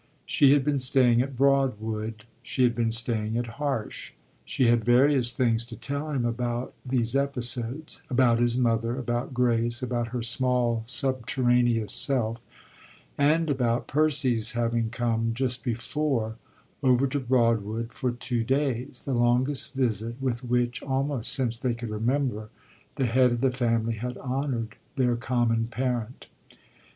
She had been staying at Broadwood she had been staying at Harsh. She had various things to tell him about these episodes, about his mother, about Grace, about her small subterraneous self, and about Percy's having come, just before, over to Broadwood for two days; the longest visit with which, almost since they could remember, the head of the family had honoured their common parent.